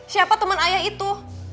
siapa temen ayah itu